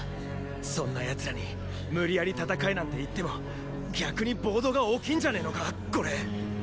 そんな奴らに無理やり戦えなんて言っても逆に暴動が起きんじゃねェのかこれ。